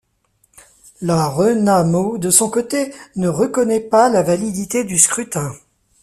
La ReNaMo de son côté ne reconnait pas la validité du scrutin.